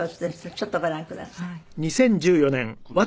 ちょっとご覧ください。